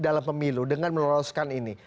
dalam pemilu dengan meloloskan ini